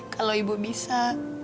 kalau ibu bisa